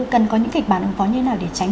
cần có những kịch bản ứng phó như nào để tránh